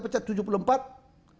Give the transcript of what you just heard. kita demosi perunduran pemerintahan